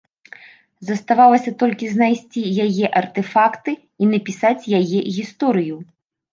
Заставалася толькі знайсці яе артэфакты і напісаць яе гісторыю.